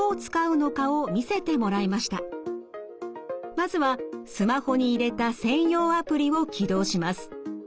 まずはスマホに入れた専用アプリを起動します。